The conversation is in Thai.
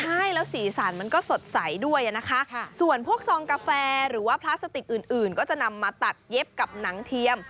ใช่แล้วสีสันมันก็สดใสด้วยนะคะส่วนพวกซองกาแฟหรือว่าพลาสติกอื่นก็จะนำมาตัดเย็บกับหนังเทียม